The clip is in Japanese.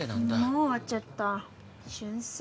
もう終わっちゃった瞬殺